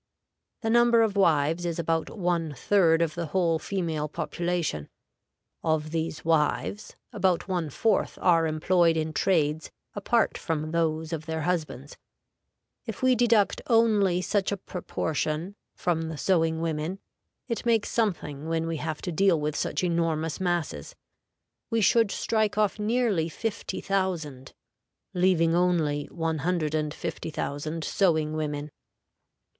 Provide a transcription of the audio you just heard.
The number of wives is about one third of the whole female population; of these wives about one fourth are employed in trades apart from those of their husbands. If we deduct only such a proportion from the sewing women, it makes something when we have to deal with such enormous masses; we should strike off nearly 50,000, leaving only 150,000 sewing women.